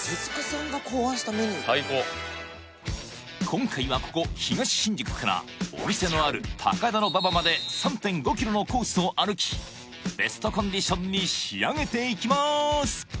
今回はここ東新宿からお店のある高田馬場まで３．５キロのコースを歩きベストコンディションに仕上げていきます！